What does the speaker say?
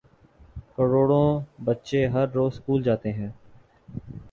کروڑوں بچے ہر روزسکول جا تے ہیں۔